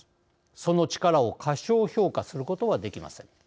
その力を過小評価することはできません。